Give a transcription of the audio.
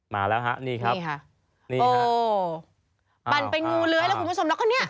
มาแล้วฮะนี่ครับนี่ค่ะนี่ฮะปั่นเป็นงูเลื้อยแล้วคุณผู้ชมแล้วก็เนี่ย